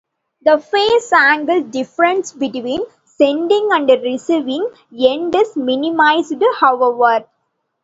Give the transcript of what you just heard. The phase angle difference between sending and receiving end is minimized, however.